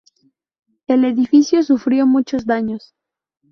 El edificio sufrió muchos daños.